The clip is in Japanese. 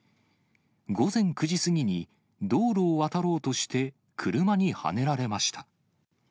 午前９時過ぎに、道路を渡ろうとして車にはねられました。